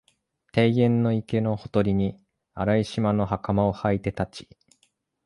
庭園の池のほとりに、荒い縞の袴をはいて立ち、